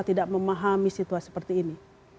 tidak memahami situasi seperti ini